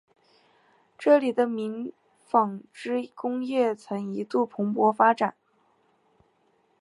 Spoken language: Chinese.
这里的棉纺织工业曾一度蓬勃发展。